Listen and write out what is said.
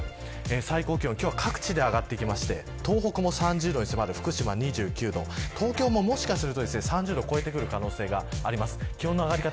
これに気温を重ねると最高気温各地で上がってきまして東北も３０度に迫る福島２９度、東京ももしかすると３０度を超えてくる可能性があります。